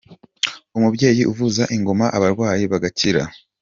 Umubyeyi uvuza ingoma abarwayi bagakira